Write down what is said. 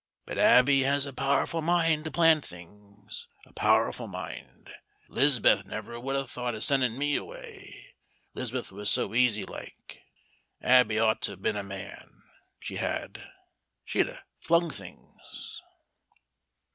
But Abby has a powerful mind to plan things a powerful mind. 'Liz'beth never would a' thought of sending me away 'Liz'beth was so easy like. Abby ought to a' been a man, she had. She'd a' flung things."